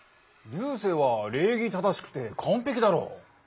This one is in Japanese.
流星は礼儀正しくてかんぺきだろ？